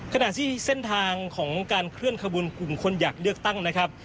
ขณะที่เส้นทางของการเคลื่อนขบวนกลุ่มคนอยากเลือกตั้งนะครับ